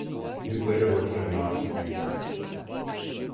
His later works have not the same merit.